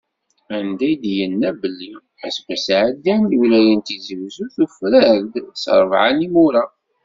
Anda i d-yenna belli: “Aseggas iɛeddan, lwilaya n Tizi Uzzu, tufrar-d s rebɛa n yimura."